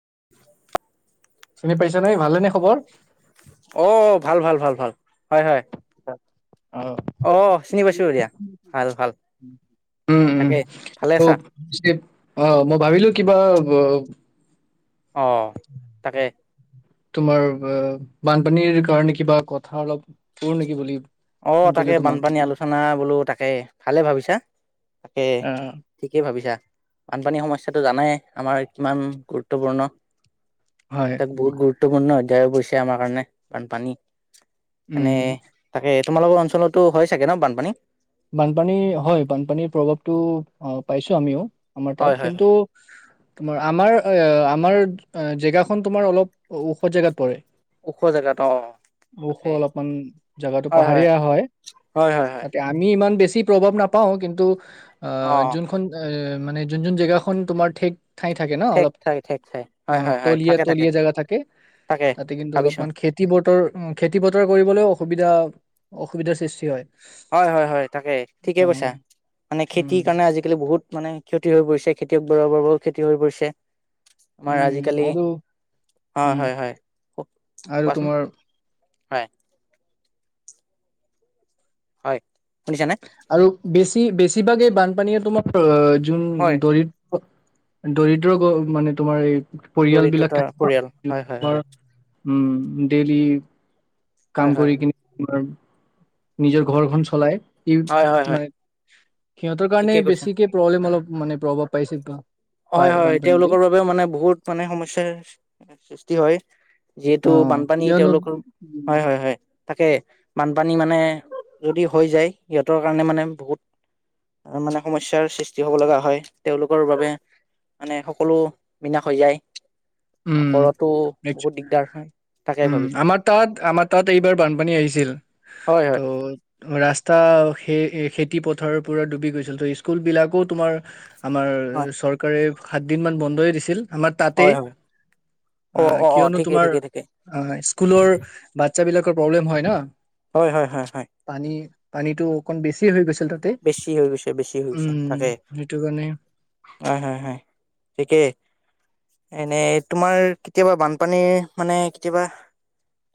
[inaudible] চিনি পাইছা নাই ভালে নে খবৰ? অ ভাল-ভাল ভাল-ভাল হয়-হয় [inaudible] অ চিনি পাইছো দিয়া, ভাল ভাল। উম উম তাকেই ভালে ত আছা? পিছে অ, মই ভাবিলো কিবা অ তাকে। তোমাৰ অ বানপানীৰ কাৰণে কিবা কথা অলপ সুধো নেকি বুলি অ ফোন তাকে কৰিলো তোমাক বানপানী আলোচনা বোলো তাকে ভালে ভাবিছা। তাকে আহ ঠিকেই ভাবিছা। বানপানীৰ সমস্যাটো জানাই আমাৰ কিমান গুৰুত্বপূৰ্ণ। হয় এটাক বহুত গুৰুত্বপূৰ্ণ অধ্যায় পৰিছে আমাৰ কাৰণে বানপানী। উম। এ তোমালোকৰ অঞ্চলতো হয় চাগে ন বানপানী? বানপানী হয় বানপানীৰ প্ৰভাৱটো পাইছো আমিও। আমাৰ হয় তাত হয় হয় কিন্তু! তোমাৰ আমাৰ-আমাৰ জেগাখন তোমাৰ অলপ ওখ জেগাত পৰে। ওখ জেগাত অ! ওখ হয় অলপমান জেগাটো -হয় হয়, পাহাৰীয়া হয়, হয় তাতে আমি ইমান বেছি প্ৰভাৱ নাপাওঁ কিন্তু অ' যোনখন আ মানে যোন যোন জেগাখন তোমাৰ ঠেক। ঠাই থাকে ন ঠেক অলপ ঠাই ঠেক ঠাই অ হয় হয় হয় তলীয়া থাকে তলীয়া জেগা থাকে তাকে তাতে কিন্তু ভাবিছো অলপমান খেতি বতৰ, খেতি বতৰ কৰিবলৈ অসুবিধা। অসুবিধাৰ সৃষ্টি হয়। হয় হয়- হয় তাকে ঠিকে অ কৈছা, মানে উম খেতিৰ কাৰণে আজিকালি বহুত মানে ক্ষতি হৈ পৰিছে খেতিয়ক বৰ বৰ ব খেতি হৈ পৰিছে। আমাৰ উম আজিকালি আৰু হয় উম হয় হয় কওক আৰু কোৱাচোন? তোমাৰ হয়। হয়। শুনিছানে আৰু বেছি বেছি কিবা কিবি এ বানপানীয়ে তোমাৰ যোন হয় দৰিদ্ৰ দৰিদ্ৰ গ মানে তোমাৰ এই পৰিয়াল বিলাক দৰিদ্ৰতাৰ থাকে পৰিয়াল হয় হয় আমাৰ হয় উম ডেইেলি হয় কাম হয় কৰি হয় কিনে বাৰু নিজৰ ঘৰখন চলাই ই হয় হয় হয় মানে সিহঁতৰ কাৰণে ঠিকেই কৈছা বেছিকে প্ৰব্লেম অলপ মানে প্ৰভাৱ পাইছে টো হয় হয় তেওঁলোকৰ বাবেও মানে বহুত মানে সমস্যাৰ সৃষ্টি হয় যিহেতু অ বানপানী কিয়নো তেওঁলোকৰ হয় হয় হয় তাকে বানপানী মানে যদি হৈ যায় সিহঁতৰ কাৰণে মানে বহুত মানে সমস্যাৰ সৃষ্টি হ'ব লগা হয় তেওঁলোকৰ বাবে মানে সকলো বিনাশ হৈ যায়। উম ঘৰতো বহুত দিগদাৰ হয় তাকে উম ভাবিছো আমাৰ তাত আমাৰ তাত এইবাৰ বানপানী আহিছিল হয় ত' হয় ৰা্চ টা স খেতি পথাৰৰ পৰা ডুবি গৈছিল তো স্কুলবিলাকো তোমাৰ আমাৰ চৰকাৰে সাত দিন মান বন্ধই দিছিল। আমাৰ তাতে হয় হয় হয় অ কিয়নো তোমাৰ অ স্কুলৰ বাচ্ছা বিলাকৰ প্ৰব্লেম হয় ন হয় হয় হয় হয় পানী পানীটো বেছি হৈ গৈছে বেছি হৈ গৈছে বেছি হৈ গৈছে তাকে সেইটো কাৰণে অ হয় হয় হয় ঠিকেই এনে তোমাৰ কেতিয়াবা বানপানীৰ মানে কেতিয়াবা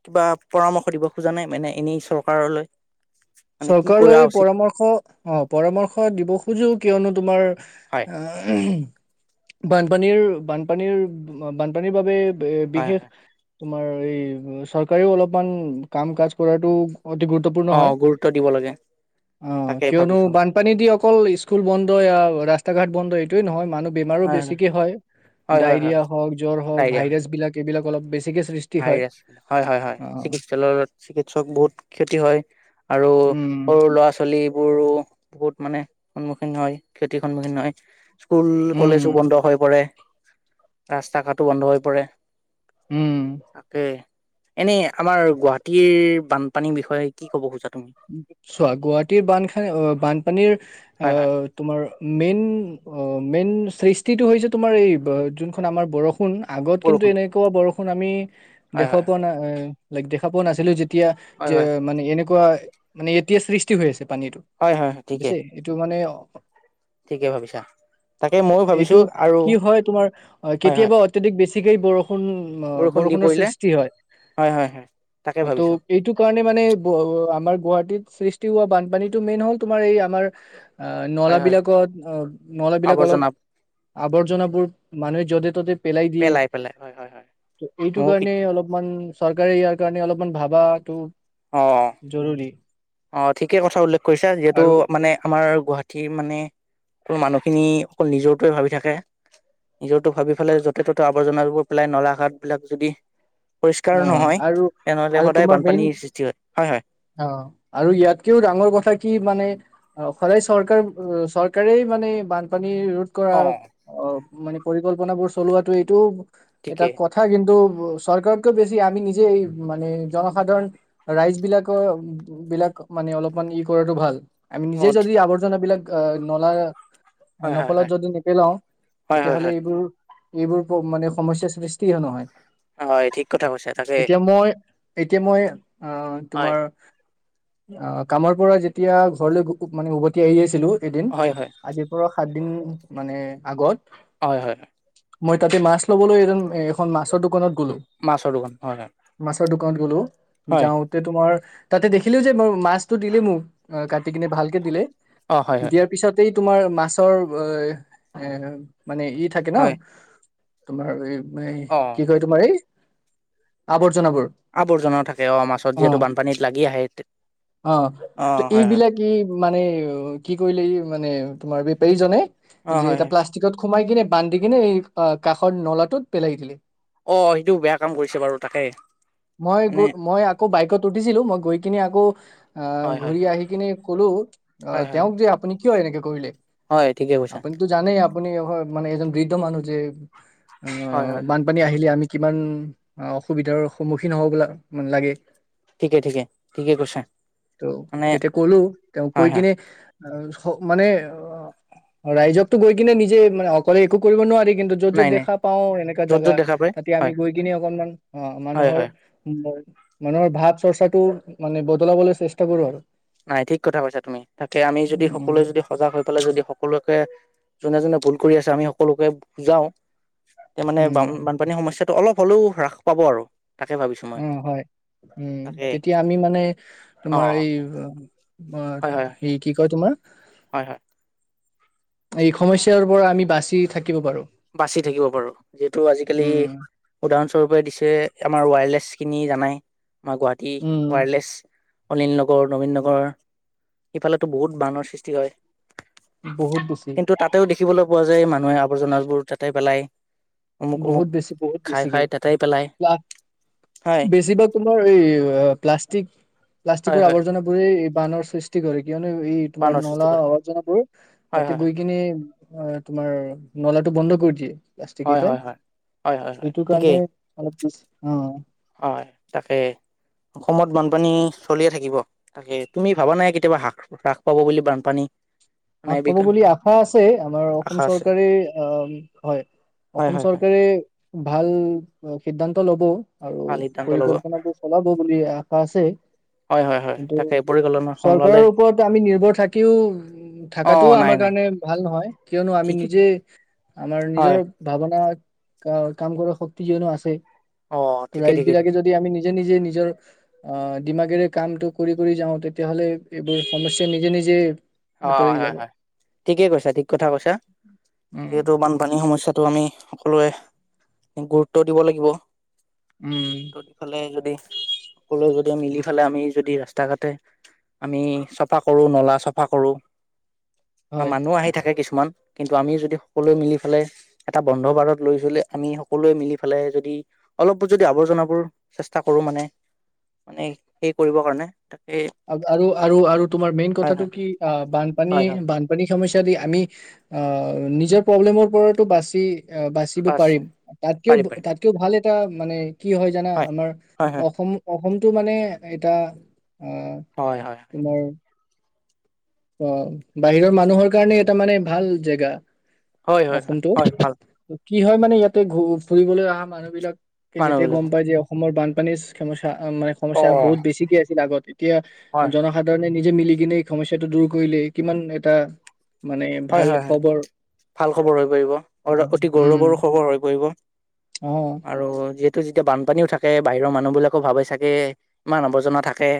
কিবা পৰামৰ্শ দিব খোজা নাই মানে এনেই চৰকাৰলৈ মানে কি কৰা চৰকাৰলৈ উচিত পৰামৰ্শ অ পৰামৰ্শ দিব খোজো কিয়নো তুমি তোমাৰ হয় এহ হুম বানপানীৰ বানপানীৰ বানপানীৰ বাবে হয় বিশেষ হয় তোমাৰ এই চৰকাৰেও অলপমান কাম কাজ কৰাটো অতি গুৰুত্বপূৰ্ণ অ হয় গুৰুত্ব দিব লাগে অ তাকে কিয়নো ভাবিছো বানপানী দি অকল স্কুল বন্ধ। ৰাস্তা ঘাট বন্ধ এইটোয়ে নহয় মানুহ বেমাৰো বেছিকে হয়। হয় হয় হয় ডায়েৰিয়া হওক, জ্বৰ হওঁক ডায়েৰিয়া হয় ভাইৰাছ বিলাক এইবিলাক। অলপ বছি। ভাইৰাছ, হয় হয় হয় চিকিৎসালয়ত চিকিৎসক বহুত ক্ষতি হয়। আৰু উম সৰু ল'ৰা ছোৱালী। লীবোৰো বহুত মানে সন্মুখীন হয় খেতিৰ সন্মুখীন হয়। স্কুল কলেজো উম বন্ধ হৈ পৰে। ৰাস্তা ঘাটো বন্ধ হৈ পৰে। উম তাকে। এনেই আমাৰ, গুৱাহাটীৰ বানপানীৰ বিষয়ে কি ক'ব খোজা। তুমি চোৱা, গুৱাহাটীৰ বানখান বানপানীৰ হয় হয় আহ তোমাৰ মেইন অ। মেইন সৃষ্টিটো হৈছে তোমাৰ এই যোনখন আমাৰ বৰষ। বৰষুণ, আগত কিন্তু বৰষুণ এনেকুৱা বৰষুণ। আমি। হয় দেখা হয় পোৱা নাই। দেখা পোৱা নাছিলো যে। তিয়া হয় যে হয় মানে এনেকুৱা। মানে, এতিয়া সৃষ্টি হৈ আছে। পানীটো হয় হয় ঠিকে বুজিছে এইটো মানে। ঠিকে ভাবিছা তাকে [unintelligible] ময়ো এইটো ভাবিছো আৰু কি হয় তোমাৰ, হয় হয় কেতিয়াবা অত্যাধিক বেছি। ঠিকেই বৰষুণ। বৰষুণ দি বৰষুণৰ পৰিলে সৃষ্টি হয় হয় হয় হয় তাকে ত' ভাবিছো এইটো কাৰণে মানে ব আমাৰ। গুৱাহাটীত সৃষ্টি হোৱা বানপানীতটো মেইন হ'ল, তোমাৰ এই আমাৰ। আহ হয় হয় নলাবিলাকত নল বিলাক অলপ আৱৰ্জনা আৱৰ্জনাবোৰ [unintelligible] মানুহে যতে ত'তে। পেলাই দিয়ে, পেলাই হয় হয় হয় ত এইটো ময়ো কাৰণে অলপমান। চৰকাৰে ইয়াৰ কাৰণে অলপমান ভাৱাতো। অ জৰুৰী। অ, ঠিকেই কথা উল্লেখ কৰিছা। যিহেতু আৰু মানে আমাৰ গুৱাহাটী মানে। অকল মানুহখিনি অকল নিজৰটোৱে ভাৱি থাকে, নিজৰটো ভাৱি ফেলাই য'তে ত'তে আৱৰ্জনাবোৰ পেলাই নলা ঘাট বিলাক যদি। পৰিষ্কাৰ অ নহয় আৰু তেনেহলে আৰু সদায় তোমাৰ মেইন বানপানীৰ সৃষ্টিহয়। হয় হয়। অ আৰু ইয়াতকেও ডাঙৰ কথা কি মানে সদায় চৰকাৰ চৰকাৰেই মানে বানপানী ৰ ৰোধ কৰা অ অ মানে পৰিকল্পনাবোৰ চলোৱাতো এইটো এটা ঠিকেই কথা কিন্তু ব চৰকাৰ কৈ বেছি আমি নিজে মানে জনসাধাৰণ ৰাইজ বিলাকৰ বিলাক মানে অলপমান ই কৰাটো ভাল আমি অ নিজে যদি আৱৰ্জানাবিলাক অ ', নলা হয় হয় নকলত হয় যদি নেপেলাও হয় হয় তেতিয়াহলে হয় এইবোৰ এইবোৰ মানে সমস্যাৰ সৃষ্টি নহয়। হয় ঠিক কথা কৈছা তাকে এতিয়া মই এতিয়া মই আহ ', হয় তোমাৰ অ ', কামৰ পৰা যেতিয়া ঘৰলৈ মানে উভতি আহি আছিলো এদিন হয় হয় আজি পৰা সাত দিন মানে আগত হয় হয় মই তাতে মাছ ল'বলৈ এজন এখন মাছৰ দোকানত গ'লো। মাছৰ দোকান হয় -হয় কত গলো হয় যাওঁতে তোমাৰ তাতে দেখিলোও যে মই মাছতো দিলে মোৰ অ', কাটি কিনে ভালকে দিলে। অ হয় হয় দিয়াৰ পিছতেই তোমাৰ মাছৰ এ', মানে ই থাকে ন', হয় তোমাৰ এই ম অ কি কই তোমাৰ ই আব জনবোৰ আৱৰ্জনাও থাকে অ মাছত যিহেতু অ', বানপানীত লাগি আহে - অ', ত হয় হয় এইবিলাক ই মানে কি কৰিলে এই মানে তোমাৰ বিপাৰীজনে অ যে হয় এটা হয় প্লাষ্টিকত সোমাই কিনে বান্ধি কিনে এই কাষৰ নলাটোত পেলাই দিলে। অ সেইটো বেয়া কাম কৰিছে বাৰু তাকে মই মানে গ', মই আকৌ বাইকত উঠিছিলো মই গৈ কিনি আকৌ আহ', হয় হয় ঘূৰি আহি কিনে কলো অ', হয় হয় তেওঁক যে আপুনি কিয় এনেকে কৰিলে? হয় ', ঠিকে কৈছা। আপুনিতো জানেই আপুনি মানে এজন বৃদ্ধ মানুহ যে অ হয় হয় ', হয় বানপানী আহিলে আমি কিমান অসুবিধাৰ সন্মুখীন হব লাগে। ঠিকে ঠিকে ঠিকে কৈছা ত', মানে তেতিয়া কলো তেওঁ কৈ হয় হয় কিনে অ', মানে অ ৰাইজকো গৈ কিনে নিজে মানে অকলে একো কৰিব নোৱাৰি। কিন্তু য'ত য'ত নাই নাই দেখা পাওঁ সেনেকা য'ত জাগা য'ত দেখা পায় আমি হয় গৈ কি অকমান অঁ হয় মানুহৰ হয় মানুহৰ ভাৱ চৰ্চাটো মানে বদলাবলৈ চেষ্টা কৰো আৰু নাই ঠিক কথা কৈছা তুমি তাকে আমি যদি সকলোৱে যদি সজাগ হৈ পেলাই যদি সকলোকে যোনে যোনে ভুল কৰি আছে আমি সকলোকে বুজাও এতিয়া মানে বান উম বানপানীৰ সমস্যাত ত অলপ হ'লেও হ্ৰাস পাব আৰু তাকে ভাবিছো মই অঁ হয় উম তাকে তেতিয়া আমি মানে অ তোমাৰ এই বা হয় হয় হে কি কয় তোমাৰ হয় হয় এই সমস্যাৰ পৰা আমি বাচি থাকি বাচি থাকিব পাৰো যিহেতু আজিকালি উম উদাহৰণ পৰাই দিছে আমাৰ ৱায়াৰলেছ কিনি জানাই মই গুৱাহাটী উম ৱায়াৰলেছ অনিল নগৰ নবীন নগৰ ইফালে বহুত বানৰ সৃষ্টি হয় বহুত বেছি কিন্তু তাতেও দেখিবলৈ পোৱা যায় মানুহ আৱৰ্জনাবোৰ তাতে পেলাই অমুক অমুক বহুত বেছি বহুত খাই খাই তাতেই পেলাই বেছিকো হয় বেছিভাগ তোমাৰ এই প্লাষ্টিক হয় প্লাষ্টিকৰ হয় আৱৰ্জনাবোৰেই বানৰ সৃষ্টি কৰি কিয়নো এই তোমাৰ বানৰ সৃষ্টি নলা কৰে আৱৰ্জনাবোৰ হয় তাতে হয় গৈ কিনে তোমাৰ নলাটো বন্ধ কৰি দিয়ে হয় প্লাষ্টিকেইটাই হয় হয় হয় হয় হয় এইটো ঠিকেই কাৰণে অলপ অঁ হয় তাকে অসমত বানপানী চলিয়ে থাকিব তাকে তুমি ভাবা নাই কেতিয়াবা হ্ৰাস হ্ৰাস পাব বুলি বানপানী মানে আগ পাব বুলি আশা আছে আমাৰ অসম আশা আছে চৰকাৰে অঁ হয় হয় অসম হয় হয় চৰকাৰে ভাল সিদ্ধান্ত লব আৰু ভাল সিদ্ধান্ত ল'ব পৰিকল্পনাবোৰ চলাব বুলি আশা আছে। হয় হয় হয় কিন্তু তাকে পৰিকল্পনা সলালে চৰকাৰৰ ওপৰত আমি নিৰ্ভৰ থাকিও অ থাকাটোও নাই আমাৰ নাই কাৰণে ভাল নহয়। কিয়নো আমি ঠিকেই নিজে আমাৰ হয় নিজৰ ভাৱনা ক- কাম কৰাৰ শক্তি কিয়নো আছে। অ ঠিকে ঠিকে ৰাইজবিলাকে ঠিকে যদি আমি নিজে - নিজে নি জে অ'- দিমাগেৰে কামটো কৰি - কৰি যাওঁ, তেতিয়া হ'লে এইবোৰ সমস্যাৰ নিজেই - নিজেই অ' হয় - হয়। ঠিকেই কৈছা। ঠিক কথা কৈছা। যিহেতু উম বানপানীৰ সমস্যা তো আমি সকলোৱে গুৰুত্ব দিব লাগিব। উম তহতিফালে যদি, সকলো য মিলিফালে আমি যদি ৰাস্তা-ঘাটে আমি চফা কৰোঁ নলা চ ফা কৰোঁ। মা- হয় মানুহ আহি থাকে কিছু মান। কিন্তু আমি যদি সকলোৱে মিলিফেলাই এটা বন্ধ বাৰত লৈ থলে, আমি সকলোৱে মিলিফেলে যদি অলপো যদি আৱৰ্জনাবোৰ চেষ্টা কৰোঁ মানে, মানে সেই কৰিবৰ কাৰণে তাকে আৰু - আৰু - আৰু তোমাৰ মেইন হয় কথাটো হয় কি অ' হয় বানপানী- হয় বানপানী সমস্যা দি আমি অ'- নিজৰ প্ৰব্লেমৰ পৰাতো বাচি অ'- বাচিব পাছ পাৰিম। পাৰিম তাতকেও- পাৰিম তাতকেও ভাল টা মানে কি হয় জানা? আমাৰ হয় হয় অসম - অসম টো মানে এটা অ'- হয় হয় তোমাৰ অ' বাহিৰৰ মানুহৰ কাৰণে এটা মানে ভাল জেগা হয় - হয় - হয়। অসমটো হয়, ভাল। কি হয় মানে, ইয়াতে ঘু- ফুৰিবলৈ অহা মানুহবিলাক কে যেতিয়া গম মানুহবিলাকো পাই যে অসমৰ বান পানীছ খেমশ মানে অ সমস্যা হয় বহুত বেছিকে আছিল আগত। এতিয়া হয় জনসাধাৰণে নি যে মিলিকেনে এই সমস্ সেইটো দূৰ কৰিলে, কিমান এটা মানে হয় - ভাল হয় - হয়, খবৰ ভাল খবৰ হৈ পৰিব। এটা অ'- অতি গৌৰৱৰ উম খবৰ হৈ পৰিব। অ আৰু যিহেত তো যেতিয়া বানপানীও থাকে, বাহিৰৰ মানুহবিলাকো ভাবে চাগে, ইমান আৱৰ্জনা থাকে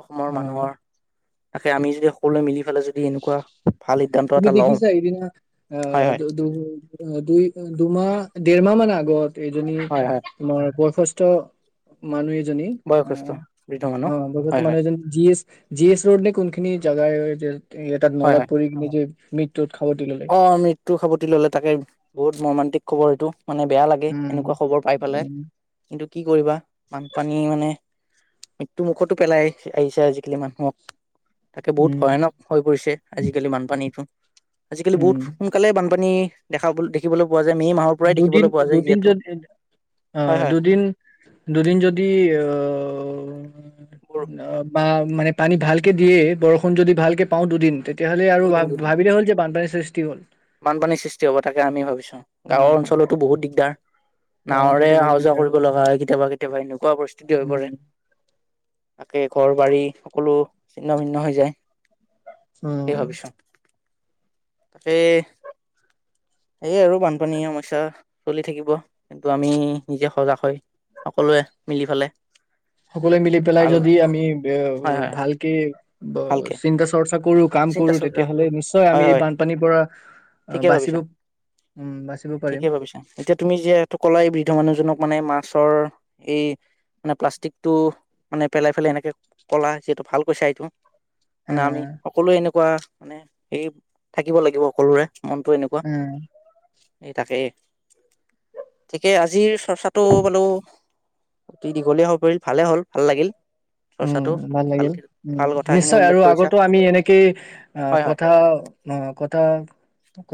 অসমৰ অ মানুহৰ তাকে আমি যদি সকলোৱে মিলি ফালে যদি এনেকুৱা, ভাল সিদ্ধান্তত তুমি দেখিছা সেইদিনা আ দু-দুই দুমাহ-দেৰমাহমান আগত এইজনী হয় হয় তোমাৰ সুস্থ মানুহে জনী, বয়সস্থ বৃদ্ধ মানুহ অ' বগাতু হয় হয় [unintelligible] জনী G, S- G, S road নে কোনখিনি? [unintelligible] এটাত হয় নলাত হয় পৰি কিনে যে মিত অ' মৃত্যু সাবটি ল'লে তাকেই, বহুত মৰ্মান্তিক খবৰ এইটো। মানে বেয়া লাগে, উম এনেকুৱা খবৰ পাই পেলাই। উম কিন্তু কি কৰিবা? বানপানী মানে মৃত্যু মুখতো পেলাই আহিছে, আজিকালি মানুহক। তাকে বহুত উম ভয়ানক হৈ পৰিছে, আজিকালি বানপানীটো। আজিকালি বহুত উম সোনকালে বান পানী দেখাব-দেখিবলৈ দুদিন-দুদিন যদি, হয় অ' হয় দুদিন-দুদিন যদি অ' [unintelligible] বৰ [unintelligible] বা মানে পানী ভালকৈ দিয়েই, বৰষুণ যদি ভালকৈ পাওঁ দুদিন তেতিয়াহ'লে আৰু দুদিন দুদিন ভাবিলে হ'ল যে বানপানী সৃষ্টি হ'ল। বানপানীৰ সৃষ্টি হ'ব, তাকে আমি ভাবিছো। অ গাঁৱৰ অঞ্চলতো বহুত দিগদাৰ। গাঁও নাৱৰে অঞ্চলটো বহুত অহা-যোৱা দিগদাৰ কৰিব লগা হয় কেতিয়াবা-কেতিয়াবা, এনেকুৱা পৰিস্থিতি হৈ উম পৰে। তাকে ঘৰ-বাৰী সকলো ছিন্ন-ভিন্ন হৈ যায়। উম। কে সেয়ে আৰু, বানপানী সমস্যা চলি থাকিব। কিন্তু আমি, নিজে সজাগ হৈ সকলোৱে মিলি ফালে। সকলোৱে মিলি পেলাই ভাল যদি আমি এ হয় হয় ভালকে বা ভালকে চিন্তা চৰ চিন্তা চ হয়, এই হয়। বানপানীৰ পৰা আহ, ঠিকে বাচিব ভাবিছা। উম বাচিব পাৰিম ঠিকে ভাবিছা, এতিয়া তুমি যিহেতু কলাই বৃদ্ধ মানুহজনক মানে মা গছৰ এই মানে প্লাষ্টিকটো মানে পেলাই-পেলাই, এনেকে ক'লা যিহেতু ভালকৈছা এইটো। মানে আমি হম, সকলোৱে এনেকোৱা মানে হে থাকিব লাগিব, সকলোৰে মনটো এনেকোৱা, উম এই তাকেই থিকে আজিৰ চৰ্চাটো বোলো অতি দীঘলীয়া হৈ পৰিল ভালে হ'ল ভাল লাগিল। উম চৰ্চাটো ভাল লাগিল উম ভাল কথাখিনি নিশ্চয় উল্লেখ আৰু কৰিছা আগতো আমি এনে হয় হয় কথা অ কথা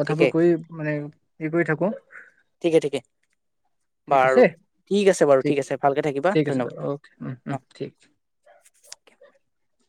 কথাবোৰ ঠিকে কৈ মানে এই কৰি থাকো ঠিকে ঠিক আছে বাৰু ঠিক আছে বাৰু ঠিক আছে ভালকে থাকিবা ঠিক আছে বাৰু অকে উম ধন্যবাদ উম অ [inaudible]